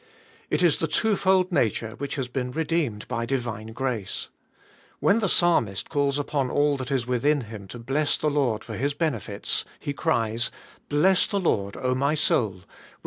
It is the twofold nature which has been redeemed by divine grace. When the Psalmist calls uipon all that is within him to bless the Lord for His benefits, he ories, "Bless the Lord, O my soul, which